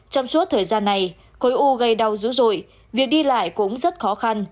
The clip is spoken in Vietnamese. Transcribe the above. trong suốt thời gian này khối u gây đau dữ dội việc đi lại cũng rất khó khăn